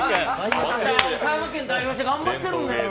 岡山県代表して頑張ってるんですよ。